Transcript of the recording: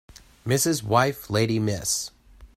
Mrs. wife lady Miss